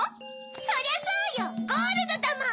そりゃそうよゴールドだもん。